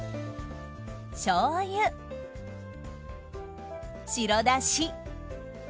しょうゆ白だし。